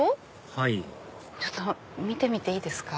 はいちょっと見てみていいですか？